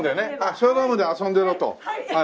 ショールームで遊んでろと。